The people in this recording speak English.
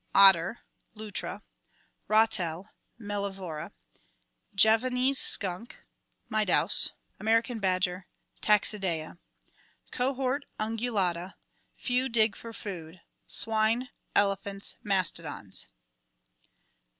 Otter (Infra). Ratel (Mdliwra). Javanese skunk (Mydaus). American badger (Taxidea). Cohort Ungulata. Few dig for food: swine, elephants, mastodons.